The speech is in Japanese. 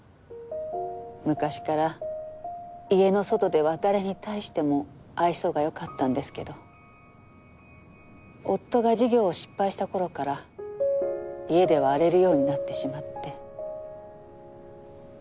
昔から家の外では誰に対しても愛想が良かったんですけど夫が事業を失敗した頃から家では荒れるようになってしまって。